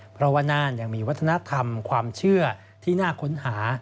เพราะว่าน่านยังมีวัฒนธรรมความเชื่อที่น่าค้นหา